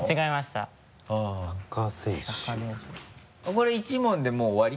これ１問でもう終わり？